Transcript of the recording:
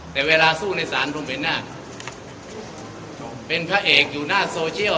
แต่เวลาสู้ในสารผมเห็นเป็นพระเอกอยู่หน้าโซเชล